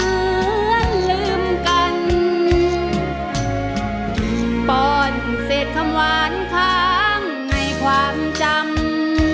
เมื่อเจอหน้าลาบตาก็เหมือนลืมกันป้อนเสร็จคำวานค้างในความจำ